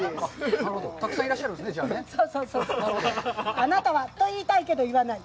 あなたはと言いたいけど，言わない。